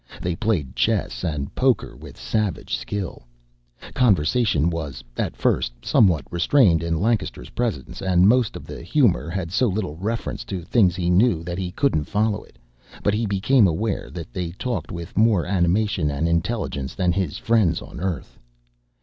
They played chess and poker with savage skill. Conversation was, at first, somewhat restrained in Lancaster's presence, and most of the humor had so little reference to things he knew that he couldn't follow it, but he became aware that they talked with more animation and intelligence than his friends on Earth.